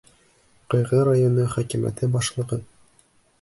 Ҡыйғы районы хакимиәте башлығы: